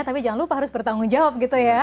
tapi jangan lupa harus bertanggung jawab gitu ya